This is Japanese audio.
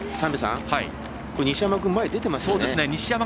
西山君、前に出てますね。